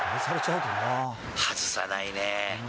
外さないね。